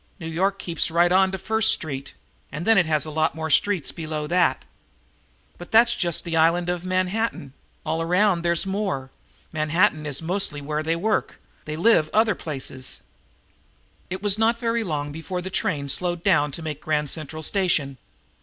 New York keeps right on to First Street, and then it has a lot more streets below that. But that's just the Island of Manhattan. All around there's a lot more. Manhattan is mostly where they work. They live other places." It was not very long before the train slowed down to make Grand Central Station.